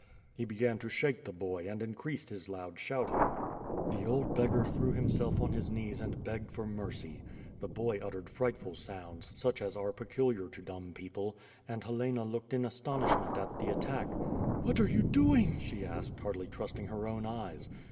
He began to shake the boy, and increased his loud shouting. The old beggar threw himself on his knees and begged for mercy. The boy uttered frightful sounds, such as are pecu liar to dumb people, and Helena looked in astonishment at the attack. "What are you doing?" she asked, hardly trusting her own eyes.